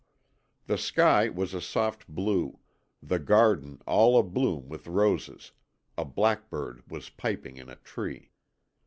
The sky was a soft blue, the garden all a bloom with roses, a blackbird was piping in a tree.